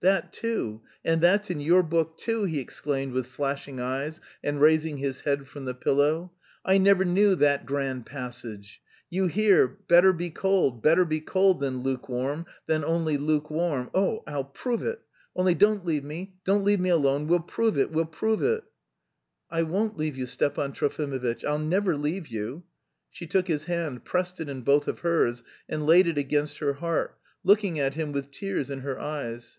'" "That too... and that's in your book too!" he exclaimed, with flashing eyes and raising his head from the pillow. "I never knew that grand passage! You hear, better be cold, better be cold than lukewarm, than only lukewarm. Oh, I'll prove it! Only don't leave me, don't leave me alone! We'll prove it, we'll prove it!" "I won't leave you, Stepan Trofimovitch. I'll never leave you!" She took his hand, pressed it in both of hers, and laid it against her heart, looking at him with tears in her eyes.